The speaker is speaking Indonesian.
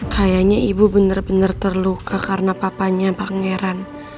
kayaknya ibu bener bener terluka karena papanya pangeran